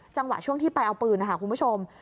จังหวะช่วงที่ไปเอาปืนนะคะคุณผู้ชม